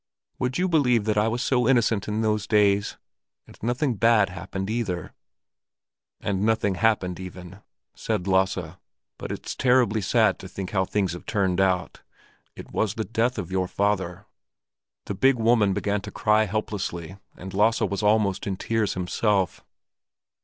Would you believe that I was so innocent in those days? And nothing bad happened either." "And nothing happened even?" said Lasse. "But it's terribly sad to think how things have turned out. It was the death of your father." The big woman began to cry helplessly, and Lasse was almost in tears himself.